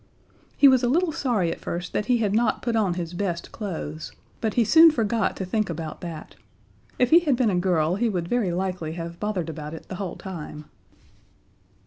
He was a little sorry at first that he had not put on his best clothes, but he soon forgot to think about that. If he had been a girl he would very likely have bothered about it the whole time.